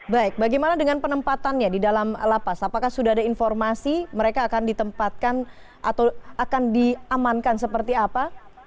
baik bagaimana dengan penempatannya di dalam lapas apakah sudah ada informasi mereka akan ditempatkan atau akan diamankan seperti apa